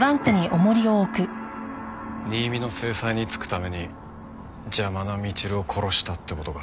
新見の正妻につくために邪魔なみちるを殺したって事か？